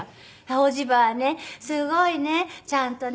「おじばはねすごいねちゃんとね